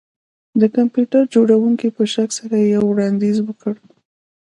د کمپیوټر جوړونکي په شک سره یو وړاندیز وکړ